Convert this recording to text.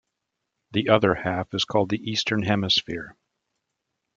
The other half is called the Eastern Hemisphere.